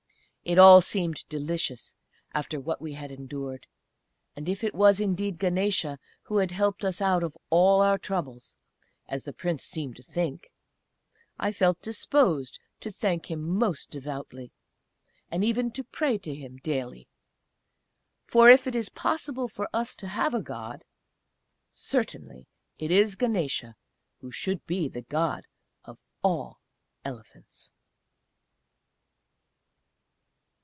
It all seemed delicious, after what we had endured; and if it was, indeed, Ganesa who had helped us out of all our troubles, as the Prince seemed to think, I felt disposed to thank him most devoutly and even to pray to him daily. For if it is possible for us to have a God certainly it is Ganesa who should be the God of all Elephants....